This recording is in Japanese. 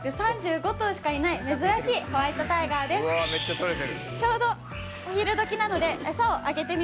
「うわめっちゃ撮れてる」